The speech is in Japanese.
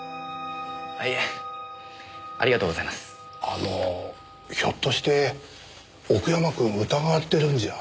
あのひょっとして奥山くん疑われてるんじゃ。